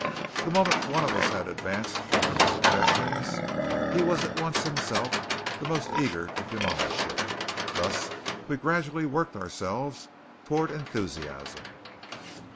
The moment one of us had advanced one of these objections he was at once himself the most eager to demolish it. Thus we gradually worked ourselves toward enthusiasm.